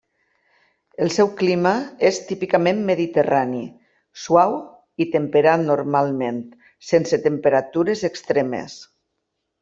El seu clima és típicament mediterrani, suau i temperat normalment sense temperatures extremes.